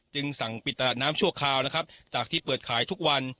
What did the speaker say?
สั่งปิดตลาดน้ำชั่วคราวนะครับจากที่เปิดขายทุกวัน